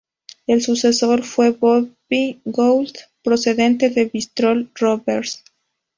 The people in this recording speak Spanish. Su sucesor fue Bobby Gould, procedente de Bristol Rovers.